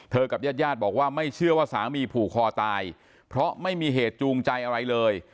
กับญาติญาติบอกว่าไม่เชื่อว่าสามีผูกคอตายเพราะไม่มีเหตุจูงใจอะไรเลย